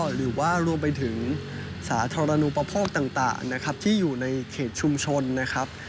หรือว่ารวมไปถึงสาธารณูปโภคต่างนะครับที่อยู่ในเขตชุมชนนะครับ